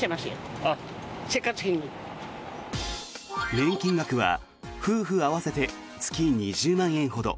年金額は夫婦合わせて月２０万円ほど。